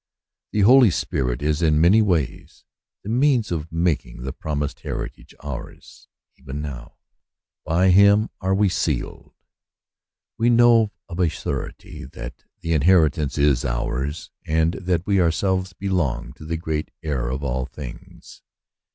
The Holy Spirit is in many ways the means of making the promised heritage ours even now. By 122 According to t/ie Promise. him we are ^'sealed*' We know of a surety that the inheritance is ours, and that we ourselves belong to the great Heir of all things.